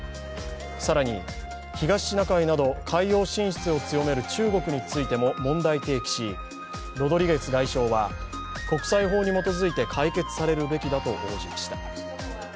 更に東シナ海など海洋進出を強める中国についても問題提起しロドリゲス外相は国際法に基づいて解決されるべきだと応じました。